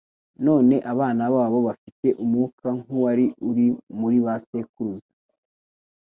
None abana babo bafite umwuka nk'uwari uri muri ba sekuruza,